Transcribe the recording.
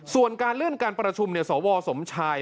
ส่วนเรื่องการประชุมสวสมชัย